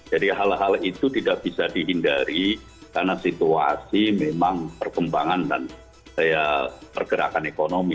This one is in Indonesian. jadi hal hal itu tidak bisa dihindari karena situasi memang perkembangan dan pergerakan ekonomi